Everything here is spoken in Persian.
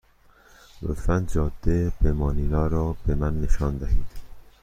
لطفا جاده به مانیلا را به من نشان دهید.